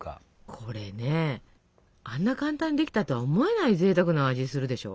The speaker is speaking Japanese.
これねあんな簡単にできたとは思えないぜいたくな味するでしょ？